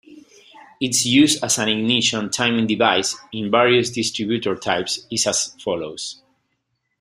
Its use as an ignition timing device in various distributor types is as follows.